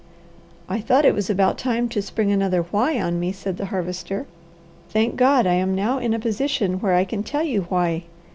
"I thought it was about time to spring another 'why' on me," said the Harvester. "Thank God, I am now in a position where I can tell you 'why'!